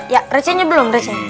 ya ujiannya belum ujian